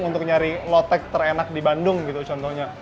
untuk nyari lotek terenak di bandung gitu contohnya